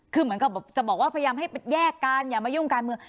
คือเหมือนกับจะบอกว่าพยายามให้แยกกันอย่ามายุ่งการเมือง